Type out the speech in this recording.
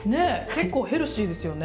結構ヘルシーですよね。